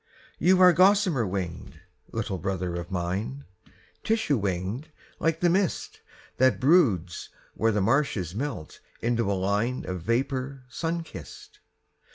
You are gossamer winged, little brother of mine, Tissue winged, like the mist That broods where the marshes melt into a line Of vapour sun kissed.